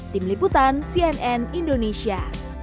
tim liputan cnn indonesia